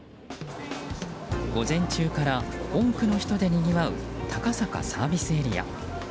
午前中から多くの人でにぎわう高坂ＳＡ。